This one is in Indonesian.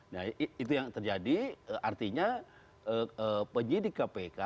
nah itu yang terjadi artinya penyidik kpk